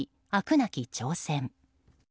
なき挑戦。